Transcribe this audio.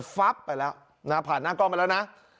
ฟับไปแล้วนะผ่านหน้ากล้องไปแล้วนะ